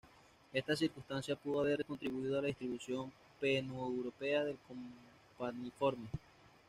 Esta circunstancia pudo haber contribuido a la distribución paneuropea del campaniforme.